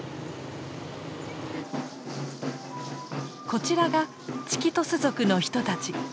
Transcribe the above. こちらがチキトス族の人たち。